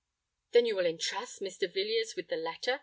"Then you will entrust Mr. Villiers with the letter?"